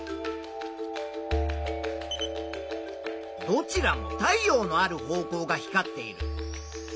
どちらも太陽のある方向が光っている。